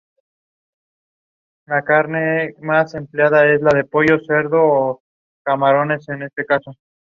La única derrota que tuvo en este torneo fue contra River, de visitante.